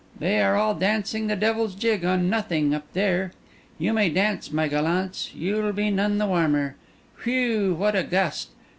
"They are all dancing the devil's jig on nothing, up there. You may dance, my gallants, you'll be none the warmer! Whew! what a gust!